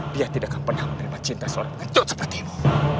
dia tidak akan pernah menerima cinta seorang ketut sepertimu